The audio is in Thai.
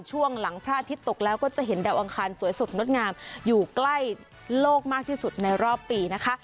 ช่วงหลังพระอาทิตย์ตกแล้วก็จะเห็นดาวอังคารสวยสดงดงามอยู่ใกล้โลกมากที่สุดในรอบปีนะคะ